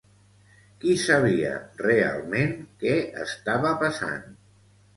Qui sabia realment què estava passant?